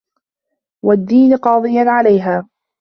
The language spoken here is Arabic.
وَالدِّينَ قَاضِيًا عَلَيْهَا